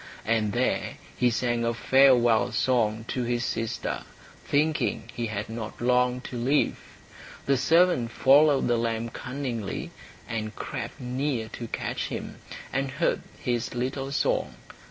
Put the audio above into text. And there he sang a farewell song to his sister, thinking he had not long to live. The servant followed the lamb cunningly, and crept near to catch him, and heard his little song.